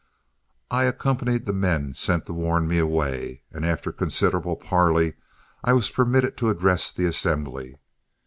I accompanied the men sent to warn me away, and after considerable parley I was permitted to address the assembly.